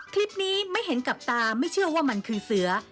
คลิปนี้ไม่เห็นกับตาไม่เชื่อว่ามันคือเสือ